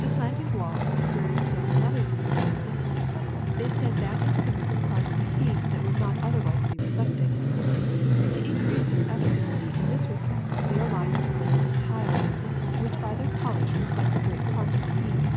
^^The slanting walls serve still another useful pur pose : they send back into the room a part of the heat that would not other\\^se be reflected. To increase their efficacy in this respect they are lined with glazed tiles, which by their polish reflect a great part of the heat.